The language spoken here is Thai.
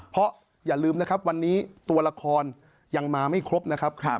เพราะอย่าลืมนะครับวันนี้ตัวละครยังมาไม่ครบนะครับ